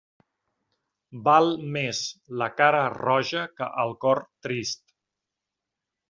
Val més la cara roja que el cor trist.